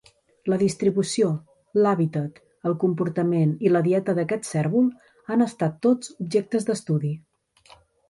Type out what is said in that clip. La distribució, l'hàbitat, el comportament i la dieta d'aquest cérvol han estat tots objectes d'estudi.